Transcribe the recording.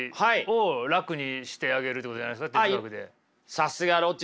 さすがロッチさん。